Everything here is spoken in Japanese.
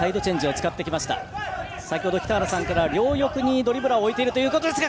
先ほど北原さんから両翼にドリブラーを置いているということですが。